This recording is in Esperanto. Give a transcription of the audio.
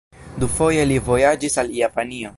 Dufoje li vojaĝis al Japanio.